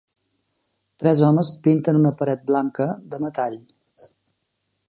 Tres homes pinten una paret blanca de metall.